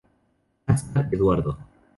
Aznar, Eduardo.